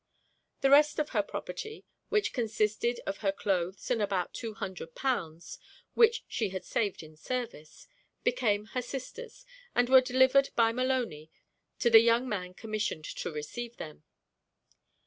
The rest of her property, which consisted of her cloaths and about two hundred pounds, which she had saved in service, became her sister's, and were delivered by Maloney to the young man commissioned to receive them.